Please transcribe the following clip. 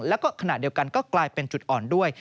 แล้วก็ขณะเดียวกันก็กลายเป็นจุดอ่อนด้วย